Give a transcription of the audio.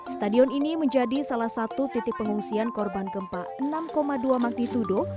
stadion ini menjadi salah satu titik pengungsian korban gempa enam dua magnitudo